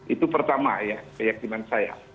itu pertama ya keyakinan saya